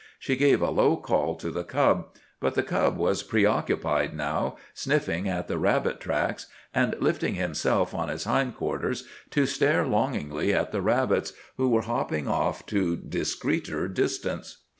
She gave a low call to the cub; but the cub was preoccupied now, sniffing at the rabbit tracks, and lifting himself on his hindquarters to stare longingly at the rabbits, who were hopping off to discreeter distance.